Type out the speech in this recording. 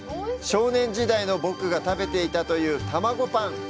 少年時代の僕が食べていたという“たまごパン”。